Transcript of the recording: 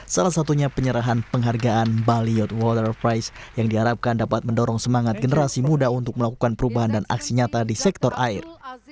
salah satunya penyerahan penghargaan bali youth water price yang diharapkan dapat mendorong semangat generasi muda untuk melakukan perubahan dan aksi nyata di sektor air